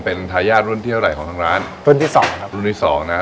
เป็นทายาทรุ่นที่เท่าไหร่ของทางร้านรุ่นที่สองครับรุ่นที่สองนะ